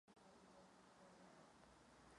To je zásadně důležité pro zamezení šíření zbraní.